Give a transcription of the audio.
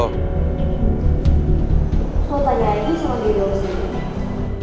lo tanya aja sama dino sih